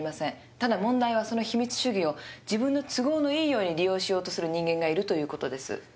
ただ問題はその秘密主義を自分の都合のいいように利用しようとする人間がいるという事です。